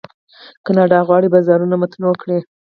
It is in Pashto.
کاناډا غواړي بازارونه متنوع کړي.